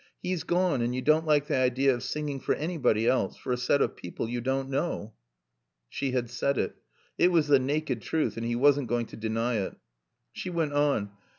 He's gone and you don't like the idea of singing for anybody else for a set of people you don't know." She had said it. It was the naked truth and he wasn't going to deny it. She went on.